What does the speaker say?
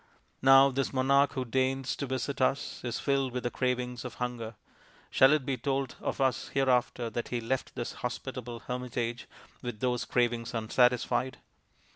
Now this monarch who deigns to visit us is filled with the cravings of hunger. Shall it be told of us hereafter that he left this hospitable hermitage with those cravings unsatisfied